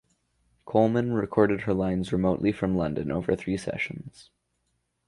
Colman recorded her lines remotely from London over three sessions.